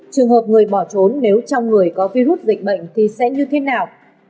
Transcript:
trường hợp người bỏ trốn nếu trong người có virus dịch bệnh thì sẽ như thế nào